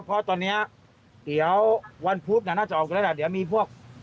เพราะตอนนี้เดี๋ยววันพุธน่าจะออกกันแล้วล่ะเดี๋ยวมีพวก